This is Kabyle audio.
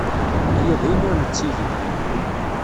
Aya d ayen ur nettili.